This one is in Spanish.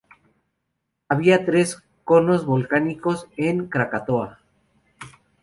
Había tres conos volcánicos en Krakatoa.